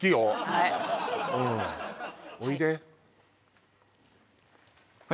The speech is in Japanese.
はいうんおいではい